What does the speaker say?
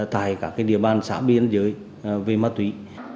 tại các địa bàn xã biên giới về ma túy